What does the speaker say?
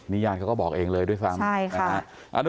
นี่ญาติเขาก็บอกเองเลยด้วยซ้ำ